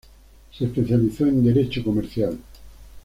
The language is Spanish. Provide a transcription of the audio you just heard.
Se especializó en Derecho Comercial.